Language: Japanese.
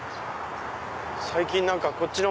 最近何かこっちの。